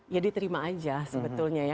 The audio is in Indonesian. ya diterima aja sebetulnya ya